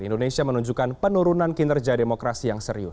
indonesia menunjukkan penurunan kinerja demokrasi yang serius